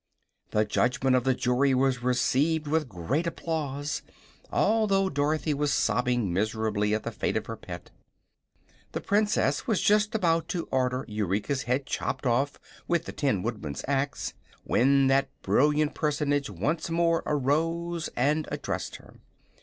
The judgment of the jury was received with great applause, although Dorothy was sobbing miserably at the fate of her pet. The Princess was just about to order Eureka's head chopped off with the Tin Woodman's axe when that brilliant personage once more arose and addressed her.